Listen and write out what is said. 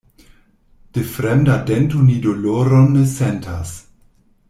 De fremda dento ni doloron ne sentas.